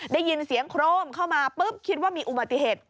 ได้ยินเสียงโครมเข้ามาปุ๊บคิดว่ามีอุบัติเหตุ